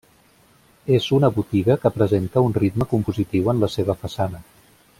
És una botiga que presenta un ritme compositiu en la seva façana.